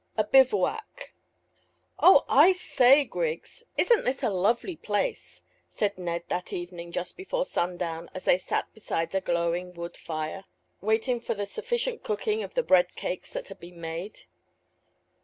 A BIVOUAC. "Oh, I say, Griggs, isn't this a lovely place!" said Ned that evening just before sundown, as they sat beside a glowing wood fire, waiting for the sufficient cooking of the bread cakes that had been made.